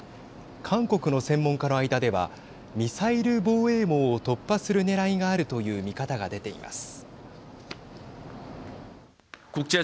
韓国の専門家の間ではミサイル防衛網を突破するねらいがあるという見方が出ています。